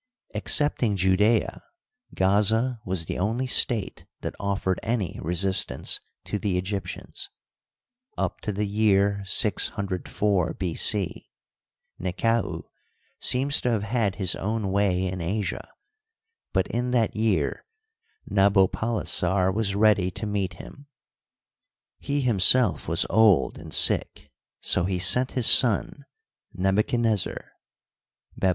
Excepting Judea, Gaza was the only state that offered any resistance to the Egyptians. Up to the year 604 B. c. Nekau seems to have had his own way in Asia, but in Digitized byCjOOQlC 128 HISTORY OF EGYPT. that year Nabopallassar was ready to meet him. He himself was old and sick ; so he sent his son Nebuchadnez zar (Bab.